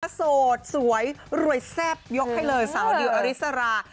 โสดสวยรวยแซ่บยกให้เลยสาวดิวอริสรา